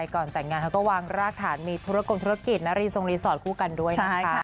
ก่อนแต่งงานเขาก็วางรากฐานมีธุรกงธุรกิจนะรีทรงรีสอร์ทคู่กันด้วยนะคะ